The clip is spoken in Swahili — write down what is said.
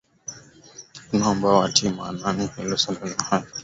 kunao ambao hawatilii maanani hilo swala la haki